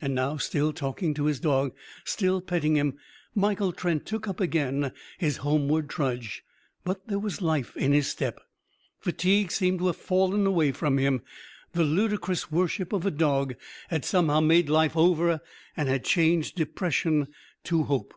And now, still talking to his dog, still petting him, Michael Trent took up again his homeward trudge. But there was life in his step. Fatigue seemed to have fallen away from him. The ludicrous worship of a dog had somehow made life over and had changed depression to hope.